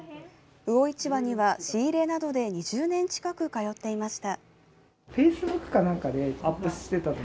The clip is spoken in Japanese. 魚市場には仕入れなどで２０年近く通っていました。